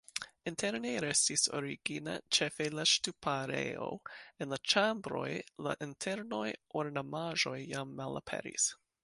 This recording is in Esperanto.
Interne restis origina ĉefe la ŝtuparejo, en la ĉambroj la internaj ornamaĵoj jam malaperis.